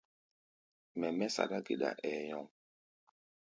Mɛ mɛ́ saɗá-geɗa, ɛɛ nyɔŋ.